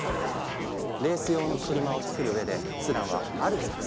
レース用の車を作る上でスランはある作戦を立てた。